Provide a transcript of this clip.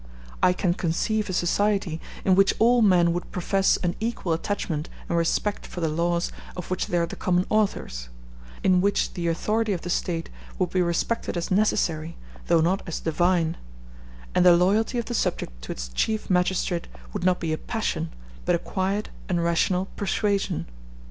I can conceive a society in which all men would profess an equal attachment and respect for the laws of which they are the common authors; in which the authority of the State would be respected as necessary, though not as divine; and the loyalty of the subject to its chief magistrate would not be a passion, but a quiet and rational persuasion.